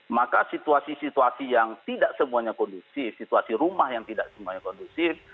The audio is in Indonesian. maka situasi situasi yang tidak semuanya kondusif situasi rumah yang tidak semuanya kondusif